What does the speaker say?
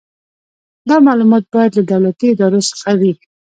دا معلومات باید له دولتي ادارو څخه وي.